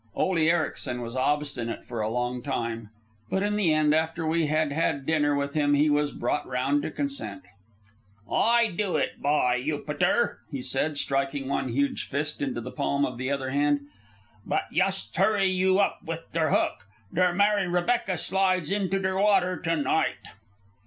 Ole Ericsen was obstinate for a long time; but in the end, after we had had dinner with him, he was brought round to consent. "Ay do it, by Yupiter!" he said, striking one huge fist into the palm of the other hand. "But yust hurry you up with der hook. Der Mary Rebecca slides into der water to night."